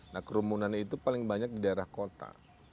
nah kerumunan itu paling banyak di daerah kota